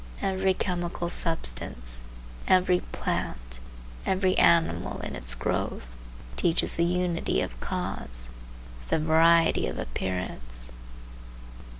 Every chemical substance, every plant, every animal in its growth, teaches the unity of cause, the variety of appearance.